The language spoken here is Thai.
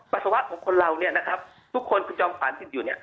ปัสสาวะของคนเราทุกคนคุณจองฝันผิดอยู่